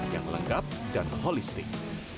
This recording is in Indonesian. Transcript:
yang lengkap dan holistik